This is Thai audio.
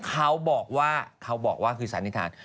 เขาบอกว่าคือสันนิษฐาน